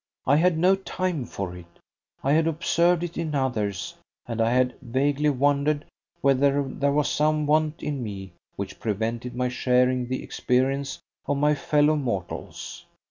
I had no time for it. I had observed it in others, and I had vaguely wondered whether there was some want in me which prevented my sharing the experience of my fellow mortals.